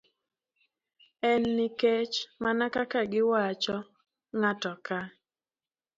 En nikech, mana kaka giwacho, ng'ato ka